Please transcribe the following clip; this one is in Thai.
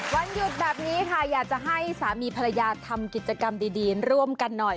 วันหยุดแบบนี้ค่ะอยากจะให้สามีภรรยาทำกิจกรรมดีร่วมกันหน่อย